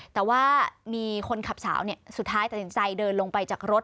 แต่ว่ามีคนขับสาวสุดท้ายตัดสินใจเดินลงไปจากรถ